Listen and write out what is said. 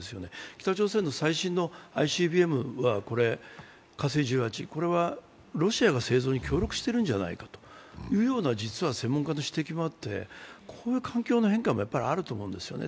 北朝鮮の最新のＩＣＢＭ、火星１８はロシアが製造に協力しているんじゃないかという専門家の指摘もあって、こういう環境の変化もあると思うんですよね。